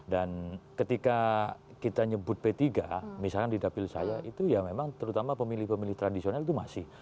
dan ketika kita nyebut p tiga misalnya di dapil saya itu ya memang terutama pemilih pemilih tradisional itu masih